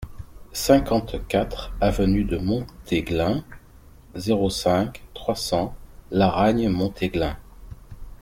cinquante-quatre avenue de Monteglin, zéro cinq, trois cents, Laragne-Montéglin